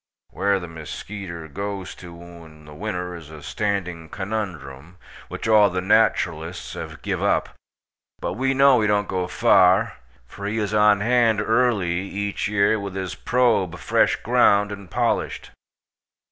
Whare the muskeeter goes to in the winter iz a standing konumdrum, which all the naturalists hav giv up, but we kno he dont go far, for he iz on hand early each year with hiz probe fresh ground, and polished.